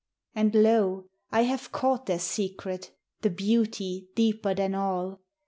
And lo, I have caught their secret, The beauty deeper than all.